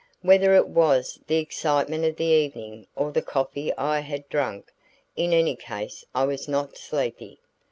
Whether it was the excitement of the evening or the coffee I had drunk, in any case I was not sleepy.